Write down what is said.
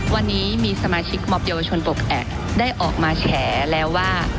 วันนี้มีสมาชิกมอบเยาวชนปกแอกได้ออกมาแฉแล้วว่า